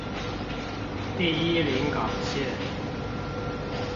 第一臨港線